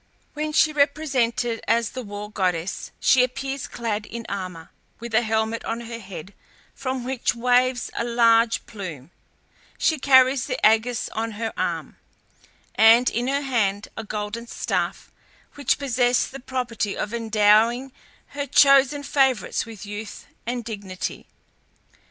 When represented as the war goddess she appears clad in armour, with a helmet on her head, from which waves a large plume; she carries the ægis on her arm, and in her hand a golden staff, which possessed the property of endowing her chosen favourites with youth and dignity.